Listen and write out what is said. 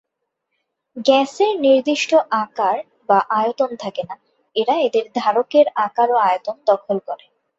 গ্যাসের নির্দিষ্ট আকার বা আয়তন থাকেনা, এরা এদের ধারকের আকার ও আয়তন দখল করে।